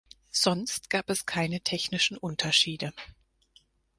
Sonst gab es keine technischen Unterschiede.